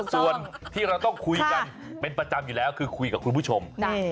ส่วนที่เราต้องคุยกันเป็นประจำอยู่แล้วคือคุยกับคุณผู้ชม